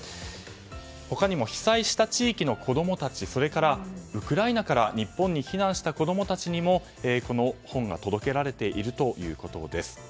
他にも被災した地域の子供たちそれからウクライナから日本に避難した子供たちにも本が届けられているということです。